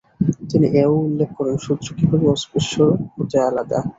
তিনি এও উল্লেখ করেন, শূদ্র কীভাবে অস্পৃশ্য হতে আলাদা।